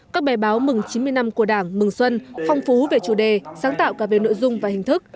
các bè báo mừng chín mươi năm của đảng mừng xuân phong phú về chủ đề sáng tạo cả về nội dung và hình thức